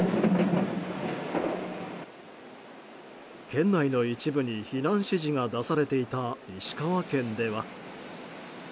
県内の一部に避難指示が出されていた、石川県では。